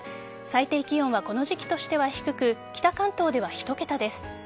最低気温はこの時期としては低く北関東では１桁です。